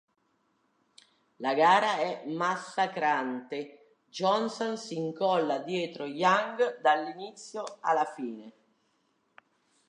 La gara è massacrante: Johnson si incolla dietro Yang dall'inizio alla fine.